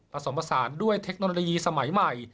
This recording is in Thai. ผสมผสานด้วยเทคโนโลยีสมัยใหม่